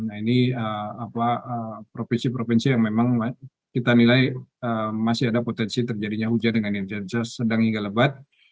nah ini provinsi provinsi yang memang kita nilai masih ada potensi terjadinya hujan dengan intensitas sedang hingga lebat